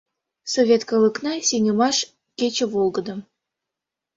Совет калыкна Сеҥымаш кече волгыдым